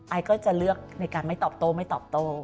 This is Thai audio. ไอก็จะเลือกในการไม่ตอบโต้ไม่ตอบโต้